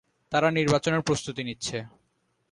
তারা নির্বাচনের প্রস্তুতি নিচ্ছে।